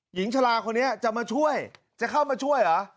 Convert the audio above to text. หญิงชะลาคนนี้จะมาช่วยจะเข้ามาช่วยเหรอ